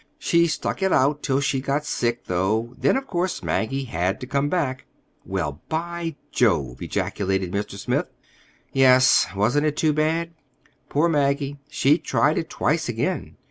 She stuck it out till she got sick, though, then of course Maggie had to come back." "Well, by Jove!" ejaculated Mr. Smith. "Yes, wasn't it too bad? Poor Maggie, she tried it twice again.